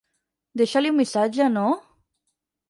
Deixa-li un missatge, no?